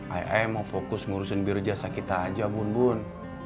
ai mau fokus ngurusin biru jasa kita aja bun bun